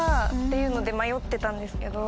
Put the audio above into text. いうので迷ってたんですけど。